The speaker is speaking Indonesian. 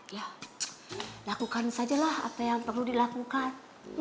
ya lakukan sajalah apa yang perlu dilakukan